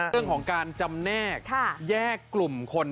เรื่องของการจำแนกแยกกลุ่มคน